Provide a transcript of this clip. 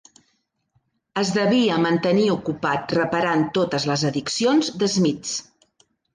Es devia mantenir ocupat reparant totes les addicions de Smith.